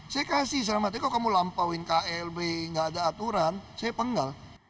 saya kasih selamatnya kalau kamu lampauin klb nggak ada aturan saya penggal